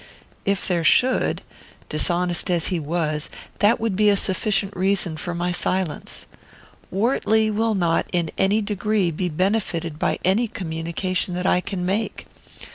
If there should, dishonest as he was, that would be a sufficient reason for my silence. Wortley will not, in any degree, be benefited by any communication that I can make.